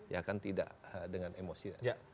ya kan tidak dengan emosi